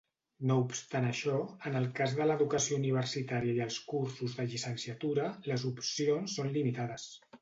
No obstant això, en el cas de l'educació universitària i els cursos de llicenciatura les opcions són limitades.